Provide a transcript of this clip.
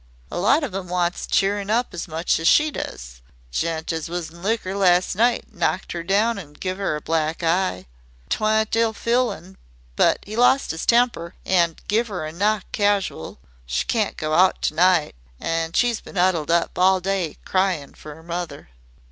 A lot of 'em wants cheerin' up as much as she does. Gent as was in liquor last night knocked 'er down an' give 'er a black eye. 'T wan't ill feelin', but he lost his temper, an' give 'er a knock casual. She can't go out to night, an' she's been 'uddled up all day cryin' for 'er mother."